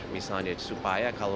misalnya supaya kalau